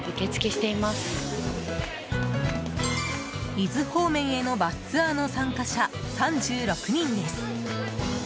伊豆方面へのバスツアーの参加者３６人です。